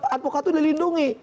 adpokat itu dilindungi